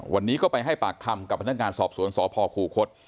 วันนี้ก็ไปให้ปากคำกับพนักงานสอบสวนสพคูคศ